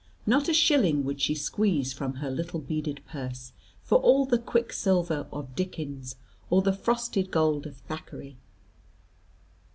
Not a shilling would she squeeze from her little beaded purse for all the quicksilver of Dickens, or the frosted gold[#] of Thackeray.